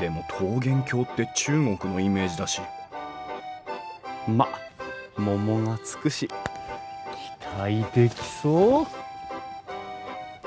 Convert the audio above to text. でも桃源郷って中国のイメージだしまっ「桃」が付くし期待できそう！